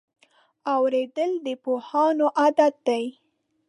اورېدل د پوهانو عادت دی.